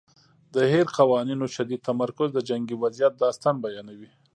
د هیر قوانینو شدید تمرکز د جنګي وضعیت داستان بیانوي.